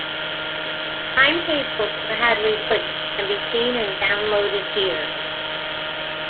Timetables for Hadley Wood can be seen and downloaded here.